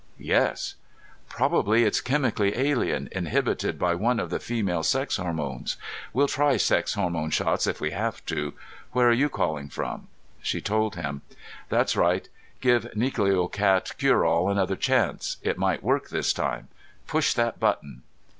"Yes." "Probably it's chemically alien, inhibited by one of the female sex hormones. We'll try sex hormone shots, if we have to. Where are you calling from?" She told him. "That's right. Give Nucleocat Cureall another chance. It might work this time. Push that button."